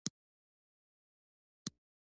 جمله لوستونکي ته مفهوم ورکوي.